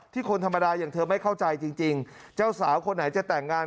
คนธรรมดาอย่างเธอไม่เข้าใจจริงเจ้าสาวคนไหนจะแต่งงาน